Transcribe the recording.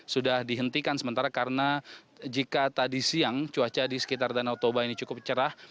sudah dihentikan sementara karena jika tadi siang cuaca di sekitar danau toba ini cukup cerah